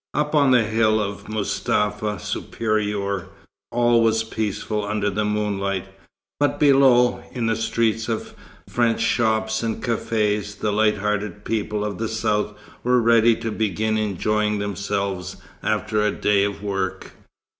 Up on the hill of Mustapha Supérieur, all was peaceful under the moonlight; but below, in the streets of French shops and cafés, the light hearted people of the South were ready to begin enjoying themselves after a day of work.